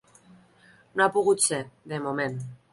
No ha pogut ser, de moment.